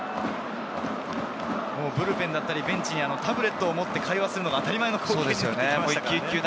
ブルペンだったりベンチではタブレットを持って会話するのが当たり前になってきました。